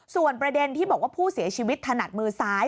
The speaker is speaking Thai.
ส่วนประเด็นที่บอกว่าผู้เสียชีวิตถนัดมือซ้าย